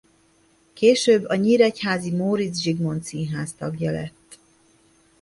Később a nyíregyházi Móricz Zsigmond Színház tagja lett.